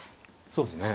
そうですね。